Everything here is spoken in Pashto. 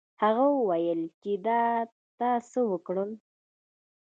هغه وویل چې دا تا څه وکړل.